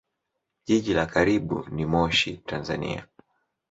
Jiji la karibu ni Moshi, Tanzania.